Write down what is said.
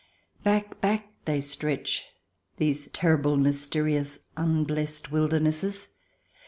Back, back, they stretch, these terrible, mysterious, unblest wildernesses.